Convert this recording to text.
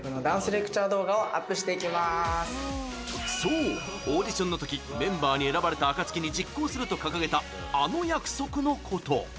そう、オーディションのときメンバーに選ばれたあかつきに実行すると掲げたあの約束のこと。